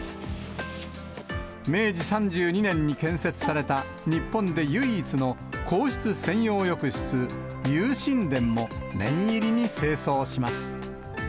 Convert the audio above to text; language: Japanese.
明治３２年に建設された、日本で唯一の皇室専用浴室、又新殿も、念入りに清掃します。